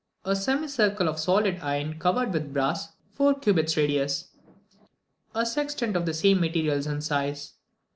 _ 1. A semicircle of solid iron, covered with brass, four cubits radius. 2. A sextant of the same materials and size.